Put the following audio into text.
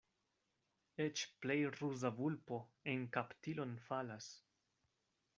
Eĉ plej ruza vulpo en kaptilon falas.